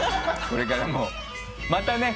これからもまたね